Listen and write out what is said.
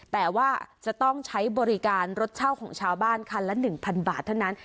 แต่ว่าจะต้องใช้บริการรถเช่าของชาวบ้านคันละ๑๐๐บาทเท่านั้น